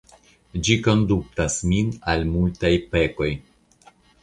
Ĝi konduktas min al multaj pekoj.